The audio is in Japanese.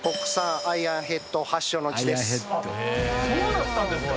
そうだったんですね。